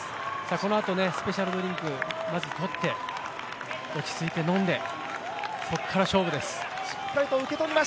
このあと、スペシャルドリンクをまずとって落ち着いて飲んでそこから勝負です。